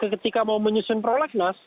ketika mau menyusun prolegnas